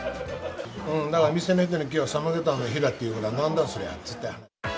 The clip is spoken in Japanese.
だからお店の人がきょう、サムゲタンの日だって言うから、なんだそりゃって言って。